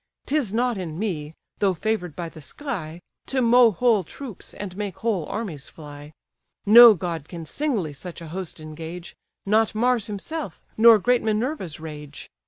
'Tis not in me, though favour'd by the sky, To mow whole troops, and make whole armies fly: No god can singly such a host engage, Not Mars himself, nor great Minerva's rage.